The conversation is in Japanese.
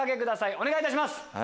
お願いいたします。